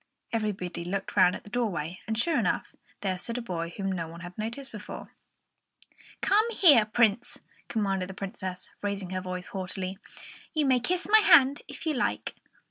Everybody looked round at the doorway; and, sure enough, there stood a boy whom no one had noticed before. "Come here, Prince," commanded the Princess, raising her voice haughtily; "you may kiss my hand if you like."